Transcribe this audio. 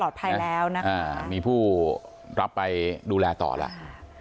ปลอดภัยแล้วนะคะอ่ามีผู้รับไปดูแลต่อแล้วค่ะ